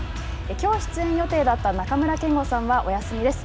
きょう出演予定だった中村憲剛さんはお休みです。